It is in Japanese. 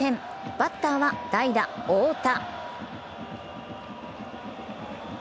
バッターは代打・大田。